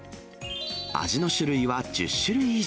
味の種類は１０種類以上。